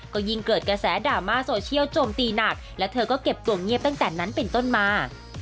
ก็ยิ่งเกิดกระแสดราม่าโซเชียลโจมตีหนักและเธอก็เก็บตัวเงียบตั้งแต่นั้นเป็นต้นมา